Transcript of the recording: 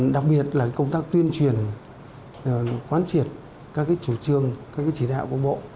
đặc biệt là công tác tuyên truyền quán triệt các chủ trương các chỉ đạo của bộ